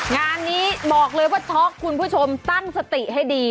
งานนี้บอกเลยว่าช็อกคุณผู้ชมตั้งสติให้ดี